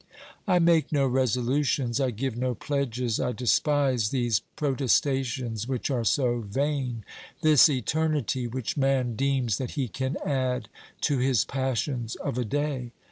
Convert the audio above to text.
I make no resolutions, I give no pledges ; I despise these protestations which are so vain, this eternity which man deems that he can add to his passions of a day.